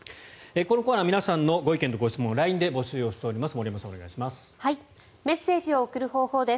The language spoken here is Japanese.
このコーナー皆さんのご意見・ご質問をＬＩＮＥで募集をしております森山さん、お願いします。